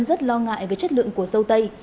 rất lo ngại về chất lượng của sầu tây